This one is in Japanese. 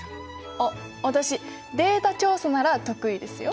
あっ私データ調査なら得意ですよ。